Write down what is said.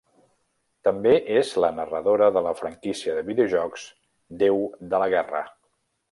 També és la narradora de la franquícia de videojocs "Déu de la guerra".